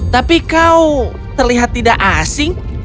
tapi kau terlihat tidak asing